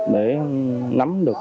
để nắm được